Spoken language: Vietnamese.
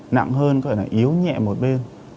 nặng hơn có nghĩa là yếu nhẹ một bên